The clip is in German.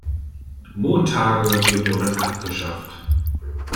Montage gehören abgeschafft.